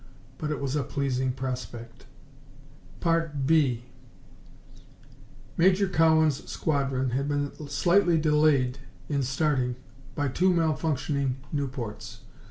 _ but it was a pleasing prospect. 2 Major Cowan's squadron had been slightly delayed in starting by two malfunctioning Nieuports.